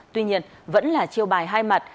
tuy nhiên vẫn là chiêu bài hai mặt